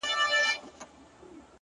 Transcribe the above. هغه به چاسره خبري کوي _